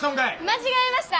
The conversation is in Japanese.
間違えました。